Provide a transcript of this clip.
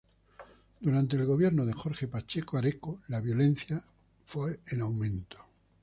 Durante el gobierno de Jorge Pacheco Areco la violencia fue en aumento.